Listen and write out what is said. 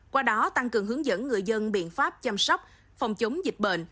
qua đó tăng cường hướng dẫn người dân biện pháp chăm sóc phòng chống dịch bệnh